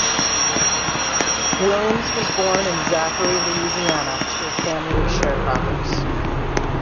Williams was born in Zachary, Louisiana, to a family of sharecroppers.